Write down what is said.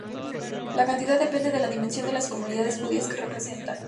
La cantidad depende de la dimensión de las comunidades judías que representan.